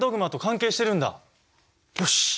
よし！